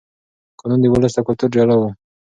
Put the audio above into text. قانون د ولس له کلتوره جلا و.